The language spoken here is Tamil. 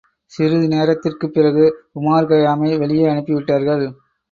சிறிது நேரத்திற்குப் பிறகு உமார் கயாமை வெளியே அனுப்பிவிட்டார்கள்.